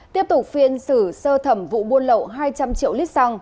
tiếp tục phiên xử sơ thẩm vụ buôn lậu hai trăm linh triệu lít xăng